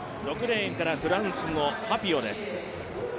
６レーンからフランスのハピオです。